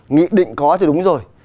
nghị định có thì đúng rồi